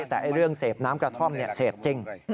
แต่เรื่องเสพน้ำกระท่อมเสพจริง